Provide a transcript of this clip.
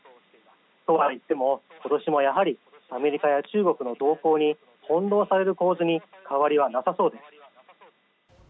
とはいっても、今年もやはりアメリカや中国の動向に翻ろうされる構図に変わりはなさそうです。